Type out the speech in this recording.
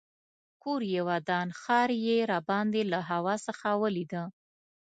کور یې ودان ښار یې راباندې له هوا څخه ولیده.